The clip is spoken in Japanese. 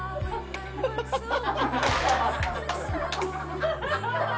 ハハハハ！